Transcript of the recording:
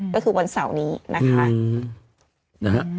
ก็คือวันเหลฯนี้นะคะ